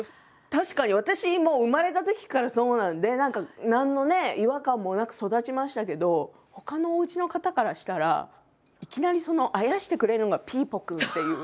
確かに私もう生まれたときからそうなんで何か何の違和感もなく育ちましたけどほかのおうちの方からしたらいきなりあやしてくれるのがピーポくんっていう。